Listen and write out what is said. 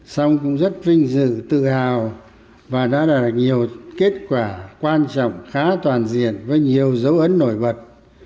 xong cũng rất vinh dự tự hào và đã đạt nhiều kết quả quan trọng khá toàn diện với nhiều dấu ấn nổi bật